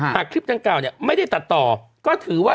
หากคลิปดังกล่าวเนี่ยไม่ได้ตัดต่อก็ถือว่า